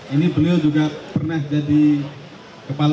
ini beliau juga pernah jadi kepala